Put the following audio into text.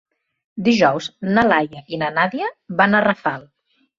Dijous na Laia i na Nàdia van a Rafal.